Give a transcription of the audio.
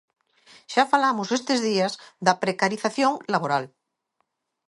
Xa falamos estes días da precarización laboral.